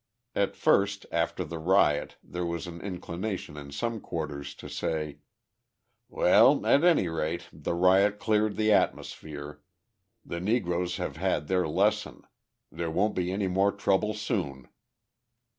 At first, after the riot, there was an inclination in some quarters to say: "Well, at any rate, the riot cleared the atmosphere. The Negroes have had their lesson. There won't be any more trouble soon."